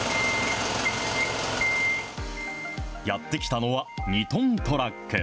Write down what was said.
やって来たのは２トントラック。